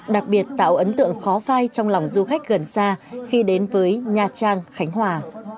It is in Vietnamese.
đặc biệt tạo ấn tượng khó phai trong lòng du khách gần xa khi đến với nha trang khánh hòa